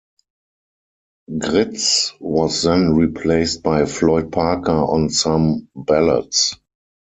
Gritz was then replaced by Floyd Parker on some ballots.